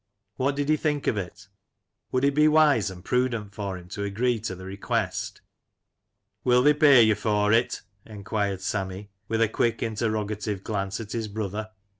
What did he think of it? would it be wise and prudent for him to agree to the requiest? "Will they pay you for it?" enquired Sammy, 148 Lancashire Characters and Places, with a quick interrogative glance at his brother.